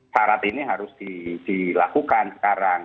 syarat ini harus dilakukan sekarang